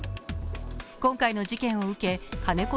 今回の事件を受け金子